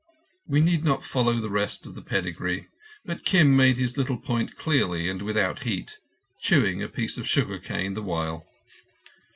We need not follow the rest of the pedigree; but Kim made his little point clearly and without heat, chewing a piece of sugar cane the while.